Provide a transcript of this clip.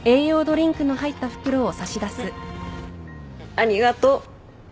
ありがとう。